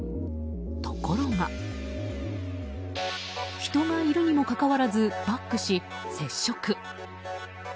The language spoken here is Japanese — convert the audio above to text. ところが人がいるにもかかわらずバックし接触。